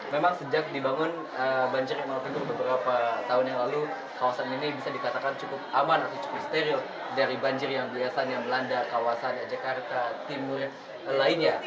memang sejak dibangun banjir malang figur beberapa tahun yang lalu kawasan ini bisa dikatakan cukup aman atau cukup steril dari banjir yang biasa yang melanda kawasan jakarta timur lainnya